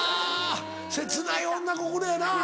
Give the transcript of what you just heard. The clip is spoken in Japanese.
切ない女心やな。